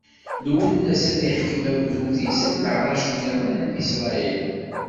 Lwennas ad iḥkem agdud-is, am leɛṛac-nniḍen n Isṛayil.